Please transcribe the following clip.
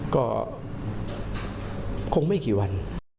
ก็คงไม่กี่วัน